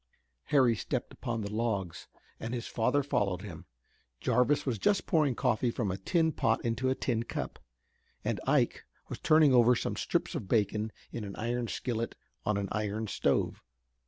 Harry stepped upon the logs and his father followed him. Jarvis was just pouring coffee from a tin pot into a tin cup, and Ike was turning over some strips of bacon in an iron skillet on an iron stove.